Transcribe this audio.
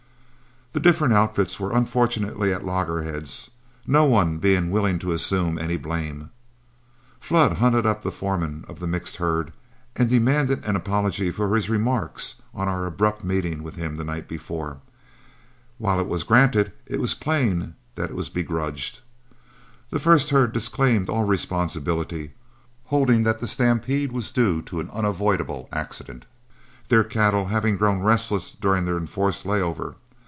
The different outfits were unfortunately at loggerheads, no one being willing to assume any blame. Flood hunted up the foreman of the mixed herd and demanded an apology for his remarks on our abrupt meeting with him the night before; and while it was granted, it was plain that it was begrudged. The first herd disclaimed all responsibility, holding that the stampede was due to an unavoidable accident, their cattle having grown restless during their enforced lay over.